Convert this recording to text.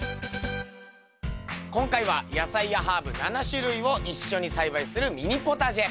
今回は野菜やハーブ７種類を一緒に栽培するミニポタジェ。